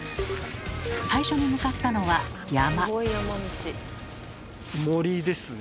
最初に向かったのは山。